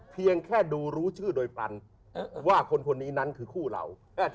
เพียงแค่ดูรู้ชื่อโดยปรันว่าคนนี้นั้นคือคู่เรา